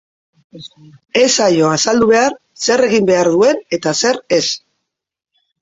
Ez zaio azaldu behar zer egin behar duen eta zer ez.